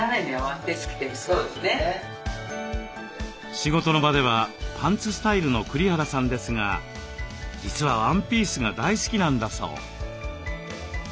仕事の場ではパンツスタイルの栗原さんですが実はワンピースが大好きなんだそう。